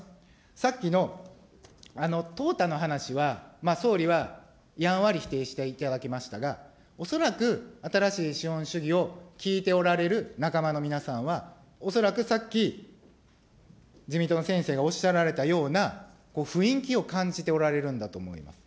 さっきの淘汰の話は総理はやんわり否定していただきましたが、恐らく新しい資本主義を聞いておられる仲間の皆さんは、恐らくさっき、自民党の先生がおっしゃられたような雰囲気を感じておられるんだと思います。